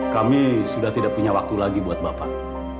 kami sudah tidak punya waktu lagi buat bapak